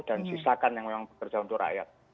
dan sisakan yang memang bekerja untuk rakyat